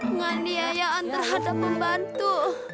enggak niayaan terhadap pembantu